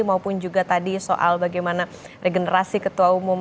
maupun juga tadi soal bagaimana regenerasi ketua umum